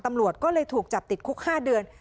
ตำรวจก็เลยถูกจับติดคุก๕เดือน